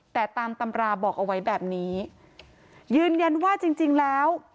แต่ตามตำราบอกเอาไว้แบบนี้ยืนยันว่าจริงจริงแล้ว